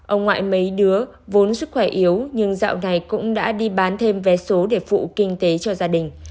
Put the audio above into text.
ông ngoại mấy đứa vốn sức khỏe yếu nhưng dạo này cũng đã đi bán thêm vé số để phụ kinh tế cho gia đình